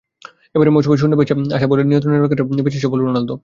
এবারের মৌসুমে শূন্যে ভেসে আসা বলের নিয়ন্ত্রণ নেওয়ার ক্ষেত্রে বেশি সফল রোনালদো।